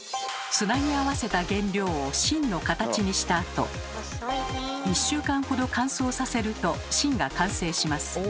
つなぎ合わせた原料を芯の形にしたあと１週間ほど乾燥させると芯が完成します。